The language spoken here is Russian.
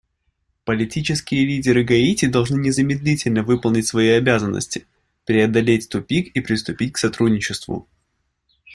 Политические лидеры Гаити должны незамедлительно выполнить свои обязанности, преодолеть тупик и приступить к сотрудничеству.